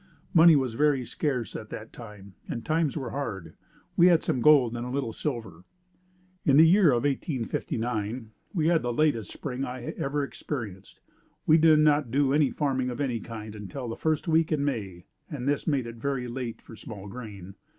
Money was very scarce at that time and times were hard. We had some gold and a little silver. In the year of 1859 we had the latest spring I ever experienced. We did not do any farming of any kind until the first week in May and this made it very late for small grain.